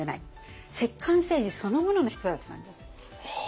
摂関政治そのものの人だったんです。